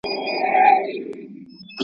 چي مو د پېغلو سره سم ګودر په کاڼو ولي.